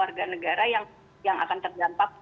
warga negara yang akan terdampak